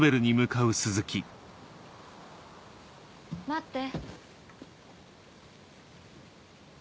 待って。